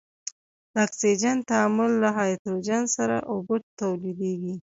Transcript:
د اکسجن تعامل له هایدروجن سره اوبه تولیدیږي.